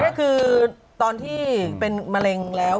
นี่คือตอนที่เป็นมะเร็งแล้ว